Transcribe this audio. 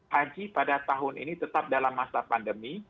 haji pada tahun ini tetap dalam masa pandemi